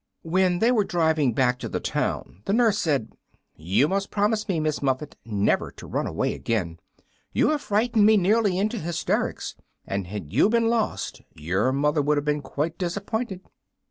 When they were driving back to the town the Nurse said, "You must promise me, Miss Muffet, never to run away again. You have frightened me nearly into hysterics, and had you been lost your mother would have been quite disappointed."